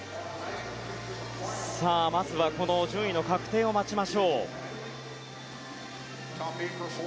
まずは順位の確定を待ちましょう。